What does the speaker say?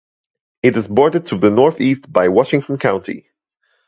It is bordered to the northeast by Washington County.